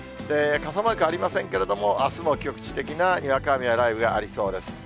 傘マークありませんけれども、あすも局地的なにわか雨や雷雨がありそうです。